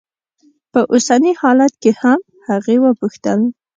په اوسني حالت کې هم؟ هغې وپوښتل.